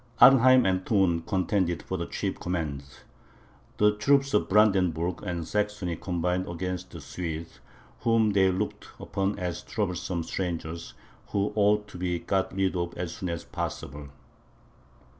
Arnheim and Thurn contended for the chief command; the troops of Brandenburg and Saxony combined against the Swedes, whom they looked upon as troublesome strangers who ought to be got rid of as soon as possible.